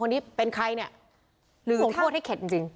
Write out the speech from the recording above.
ที่เป็นใครเนี่ยลงโทษให้เข็ดจริง